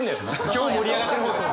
今日盛り上がってるんです。